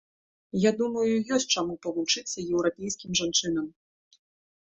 Я думаю, ёсць чаму павучыцца еўрапейскім жанчынам.